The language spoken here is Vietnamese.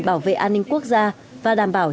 bảo vệ an ninh quốc gia và đảm bảo